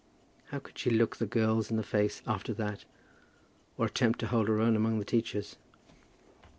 How could she look the girls in the face after that, or attempt to hold her own among the teachers!